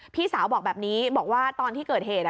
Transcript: พี่สาวบอกแบบนี้บอกว่าตอนที่เกิดเหตุ